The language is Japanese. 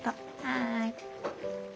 はい。